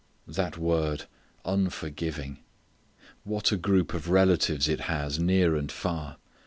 That word unforgiving! What a group of relatives it has, near and far!